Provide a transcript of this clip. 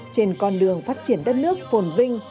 trên con đường phát triển đất nước phồn vinh